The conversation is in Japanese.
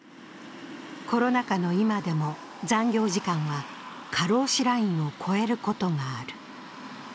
コロナ禍の今でも残業時間は過労死ラインを超えることがある。